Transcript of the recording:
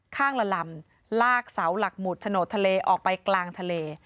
ข้างละลำลากเสาหลักหมุดโฉนดทะเลออกไปกลางทะเล